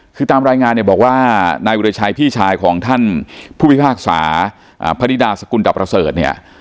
คือตามรายงานเนี่ยบอกว่านายวิรชัยพี่ชายของท่านผู้พิพากษาพนิดาสกุลดับประเสริฐเนี่ย